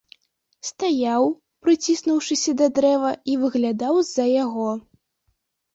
Стаяў, прыціснуўшыся да дрэва, і выглядаў з-за яго.